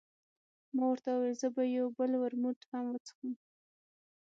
ما ورته وویل، زه به یو بل ورموت هم وڅښم.